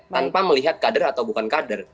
tanpa melihat kader atau bukan kader